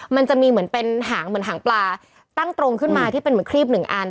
มันจะมีเหมือนเป็นหางเหมือนหางปลาตั้งตรงขึ้นมาที่เป็นเหมือนครีบหนึ่งอัน